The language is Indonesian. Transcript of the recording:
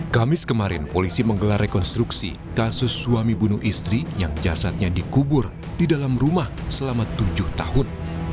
kamis kemarin polisi menggelar rekonstruksi kasus suami bunuh istri yang jasadnya dikubur di dalam rumah selama tujuh tahun